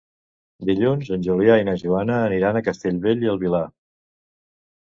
Dilluns en Julià i na Joana aniran a Castellbell i el Vilar.